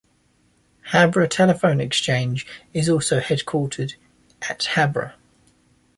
Habra Telephone Exchange is also headquartered at Habra.